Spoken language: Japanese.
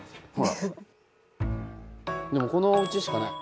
でもこのおうちしかない。